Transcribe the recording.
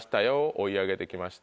追い上げてきました。